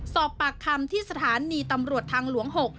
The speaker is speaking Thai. สอบปากคำที่สถานีตำรวจทางหลวง๖